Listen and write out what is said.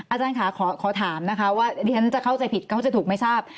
อาจารย์ค่ะขอถามนะคะว่าดิฉันจะเข้าใจผิดเข้าใจถูกไม่ทราบ